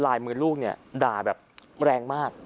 ลายมือลูกเนี่ยด่าแบบแรงมาก